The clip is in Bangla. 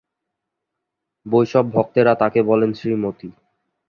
বৈষ্ণব ভক্তেরা তাঁকে বলেন শ্রীমতী।